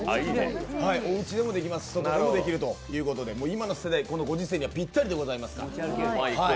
おうちでもできるし、外でもできるということで、今の世代、このご時世にはぴったりでございます。